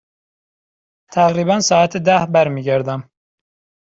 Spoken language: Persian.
تقریبا ساعت ده برمی گردم.